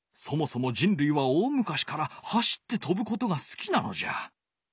そもそもじんるいは大むかしから走ってとぶことが好きなのじゃ。